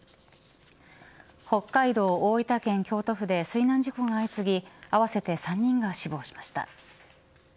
北海道、大分県、京都府で水難事故が相次ぎ合わせて３人が死亡しました。